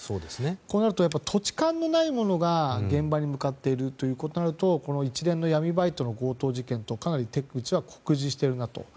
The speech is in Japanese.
となると、土地勘のないものが現場に向かっているとなると一連の闇バイトの強盗事件とかなり手口は酷似しているなと。